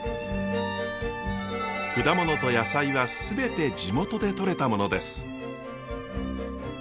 果物と野菜は全て地元で採れたものです。